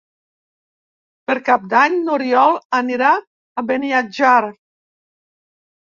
Per Cap d'Any n'Oriol anirà a Beniatjar.